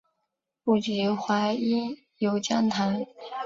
不及淮阴有将坛。